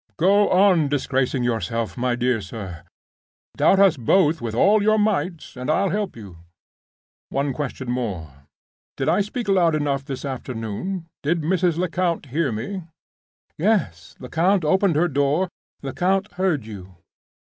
"Go on disgracing yourself, my dear sir! Doubt us both with all your might, and I'll help you. One question more. Did I speak loud enough this afternoon? Did Mrs. Lecount hear me?" "Yes. Lecount opened her door; Lecount heard you.